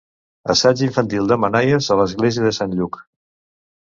Assaig infantil de Manaies a l'església de Sant Lluc.